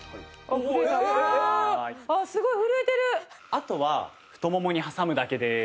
あとは太ももに挟むだけです。